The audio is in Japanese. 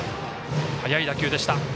速い打球でした。